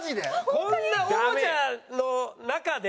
こんな王者の中で？